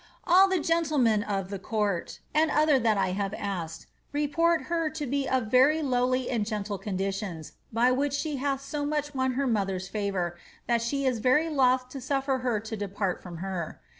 All the gentlemen of the court, and other that I have asked, report her to be of very lowly and gentle conditions, by which ibe hath so much won her mother's favour, that she is very loth to suffer her to depart from her.